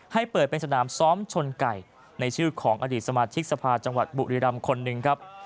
ให้เปิดเป็นสนามซ้อมชนไก่ในชื่อของอดีตสมาชิกสภาจังหวัดบุรีรำคนหนึ่งครับ